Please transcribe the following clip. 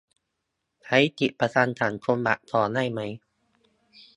ใช้สิทธิประกันสังคมบัตรทองได้ไหม